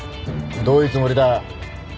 どういうつもりだ？